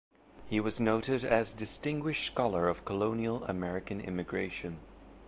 He was noted as distinguished scholar of colonial American immigration.